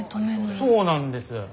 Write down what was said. そうなんです。